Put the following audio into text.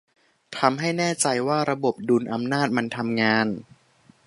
ทำให้แน่ใจว่าระบบดุลอำนาจมันทำงาน